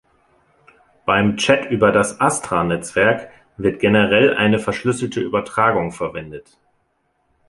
Beim Chat über das Astra-Netzwerk wird generell eine verschlüsselte Übertragung verwendet.